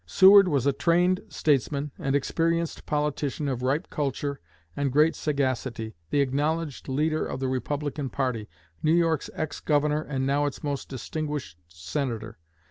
Seward was a trained statesman and experienced politician of ripe culture and great sagacity, the acknowledged leader of the Republican party, New York's ex Governor and now its most distinguished Senator.